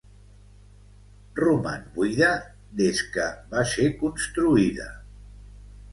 Roman buida des que va ser construïda.